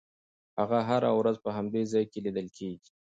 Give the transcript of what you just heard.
هغه هره ورځ په همدې ځای کې لیدل کېږي.